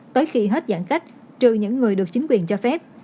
tới khi hết giãn cách trừ những người được chính quyền cho phép